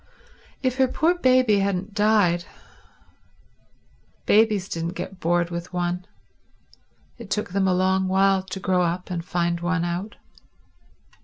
If her poor baby hadn't died ... babies didn't get bored with one, it took them a long while to grow up and find one out.